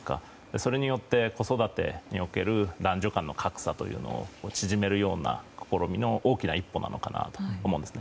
それによって子育てにおける男女間の格差を縮めるような試みの大きな一歩なのかなと思うんです。